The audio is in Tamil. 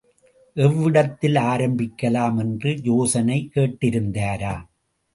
எவ்விடத்தில் ஆரம்பிக்கலாம்? என்று யோசனை கேட்டிருந்தாராம்.